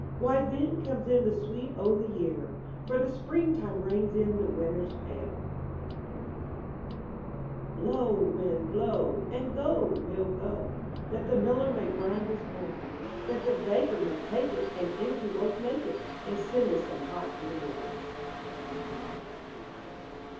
Why, then comes in the sweet o' the year; For the springtime reigns in the winter's pale! — Shakespeare. 38 IN THE NURSERY p>LOW, wind, blow! and go, mill, go! *^ That the miller may grind his corn; That the baker may take it, And into rolls make it, And send us some hot in the morn.